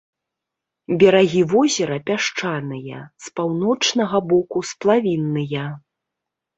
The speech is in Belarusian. Берагі возера пясчаныя, з паўночнага боку сплавінныя.